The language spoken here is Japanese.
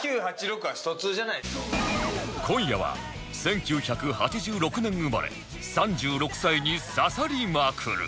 今夜は１９８６年生まれ３６歳に刺さりまくる！